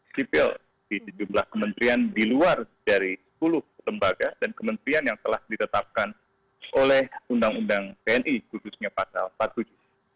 kepala kementerian di luar dari sepuluh lembaga dan kementerian yang telah ditetapkan oleh undang undang tni khususnya pak hal fadud